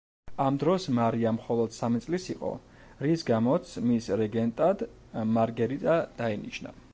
ამ დროს მარია მხოლოდ სამი წლის იყო, რის გამოც მის რეგენტად მარგერიტა დაინიშნა.